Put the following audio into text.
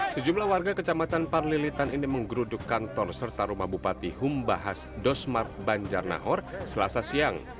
sejumlah warga kecamatan parlilitan ini menggeruduk kantor serta rumah bupati humbaas dosmar banjarnaor selasa siang